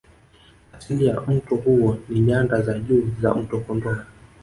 Asili ya mto huu ni Nyanda za Juu za mto Kondoa